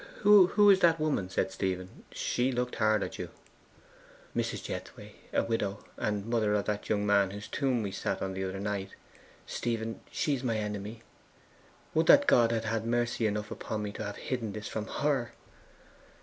'Who is that woman?' said Stephen. 'She looked hard at you.' 'Mrs. Jethway a widow, and mother of that young man whose tomb we sat on the other night. Stephen, she is my enemy. Would that God had had mercy enough upon me to have hidden this from HER!